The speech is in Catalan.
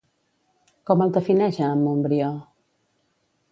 Com el defineix a en Montbrió?